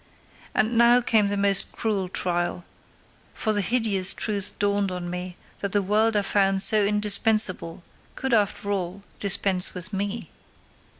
And now came the most cruel trial, for the hideous truth dawned on me that the world I found so indispensable could after all dispense with me.